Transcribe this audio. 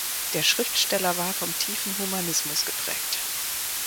Der Schriftsteller war vom tiefen Humanismus geprägt.